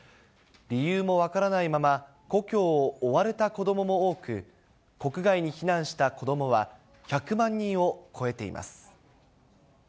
理由も分からないまま、故郷を追われた子どもも多く、国外に避難した子どもは１００万人を超えています。